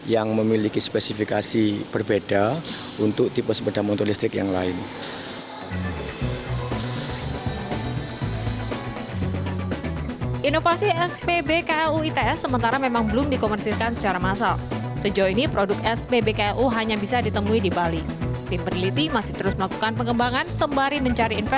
yang memiliki spesifikasi berbeda untuk tipe sepeda motor listrik yang lain